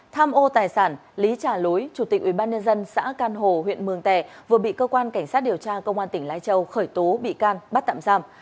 tham ô tài sản lý trà lối chủ tịch ubnd xã can hồ huyện mường tè vừa bị cơ quan cảnh sát điều tra công an tỉnh lai châu khởi tố bị can bắt tạm giam